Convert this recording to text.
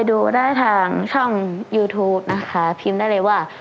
ดูได้ทางช่องยูทูปนะคะพิมพ์ได้เลยว่า